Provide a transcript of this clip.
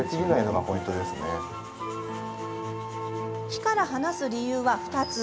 火から離す理由は２つ。